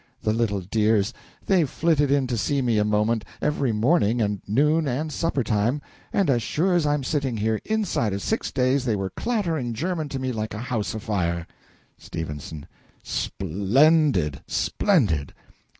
The little dears! they've flitted in to see me a moment, every morning and noon and supper time; and as sure as I'm sitting here, inside of six days they were clattering German to me like a house afire! S. Sp lendid, splendid!